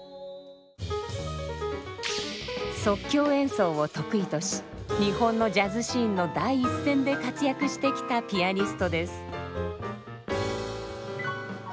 即興演奏を得意とし日本のジャズシーンの第一線で活躍してきたピアニストです。